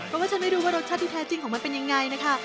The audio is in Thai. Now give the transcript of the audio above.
เพราะว่าฉันไม่รู้ว่ารสชาติที่แท้จริงของมันเป็นยังไงนะคะ